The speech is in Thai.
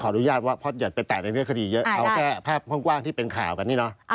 ขออนุญาตว่าพรดยศจะไปแจกในเนื่ื้อคดีเยอะเราแค่แผ้วที่เป็นข่าวกันเนี่ยเนอะ